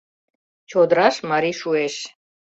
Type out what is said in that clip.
Чодыраш Мари шуэш